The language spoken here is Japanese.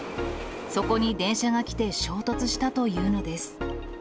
そこに電車が来て、衝突したというのです。